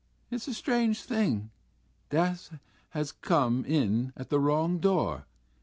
It's a strange thing, death has come in at the wrong door....